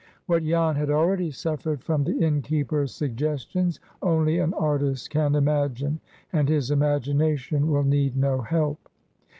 What Jan had already suffered from the innkeeper's suggestions, only an artist can imagine, and his imagination will need no help!